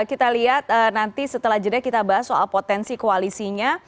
kita lihat nanti setelah jeda kita bahas soal potensi koalisinya